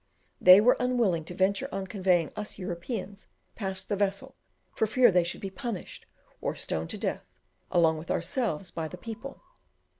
They were unwilling to venture on conveying us Europeans past the vessel, for fear they should be punished, or stoned to death, along with ourselves, by the people.